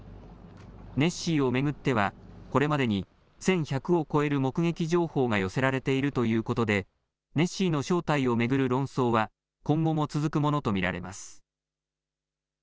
ネッシーを巡っては、これまでに１１００を超える目撃情報が寄せられているということで、ネッシーの正体を巡る論争は、今後も続くものと見られます。